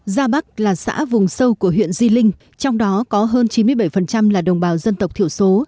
gia bắc là xã vùng sâu của huyện di linh trong đó có hơn chín mươi bảy là đồng bào dân tộc thiểu số